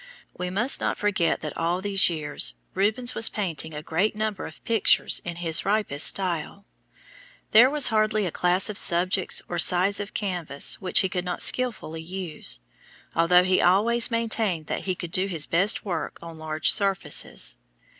We must not forget that all these years Rubens was painting a great number of pictures in his ripest style. There was hardly a class of subjects or size of canvas which he could not skillfully use, although he always maintained that he could do his best work on large surfaces.